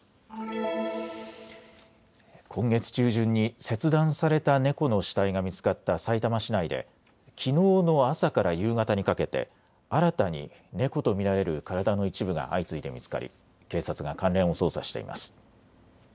今月中旬に切断された猫の死体が見つかったさいたま市内できのうの朝から夕方にかけて新たに猫と見られる体の一部が相次いで見つかり警察が関連を捜査しています。